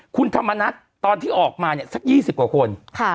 คุณธรรมนัฐตอนที่ออกมาเนี่ยสัก๒๐กว่าคน